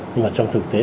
nhưng mà trong thực tế